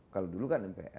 kalau dulu kan mps